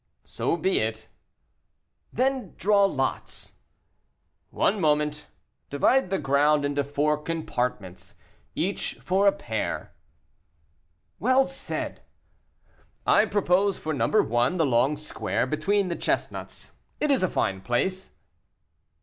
"So be it." "Then draw lots." "One moment! divide the ground into four compartments, each for a pair." "Well said." "I propose for number one, the long square between the chestnuts; it is a fine place."